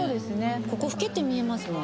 ここ老けて見えますもん。